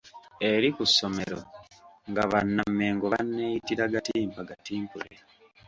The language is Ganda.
Eri ku ssomero nga Banna Mmengo banneeyitira Gattimpa Gatimpule.